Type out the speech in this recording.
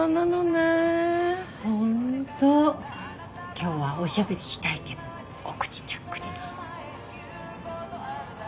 今日はおしゃべりしたいけどお口チャックで。